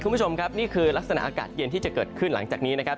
คุณผู้ชมครับนี่คือลักษณะอากาศเย็นที่จะเกิดขึ้นหลังจากนี้นะครับ